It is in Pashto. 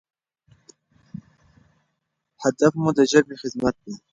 هدف مو د ژبې خدمت دی.